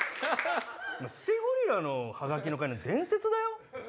捨てゴリラのハガキの回伝説だよ？